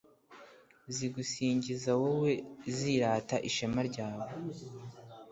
zigusingiza wowe zirata ishema ryawe